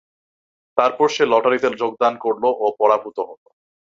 তারপর সে লটারীতে যোগদান করল ও পরাভূত হল।